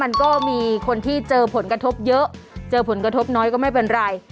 มันก็มีคนที่เจอผลกระทบเยอะเจอผลกระทบน้อยก็ไม่เป็นไร